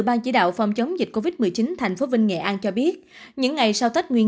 ban chỉ đạo phòng chống dịch covid một mươi chín thành phố vinh nghệ an cho biết những ngày sau tết nguyên